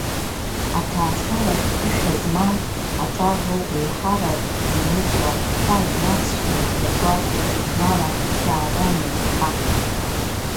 Аҭаацәаратә ԥышәа змам, аҿар роуп еиҳарак еилыҵуа, ҳәа инаҵшьны иазгәалҭеит Наала Шьаданиаԥҳа.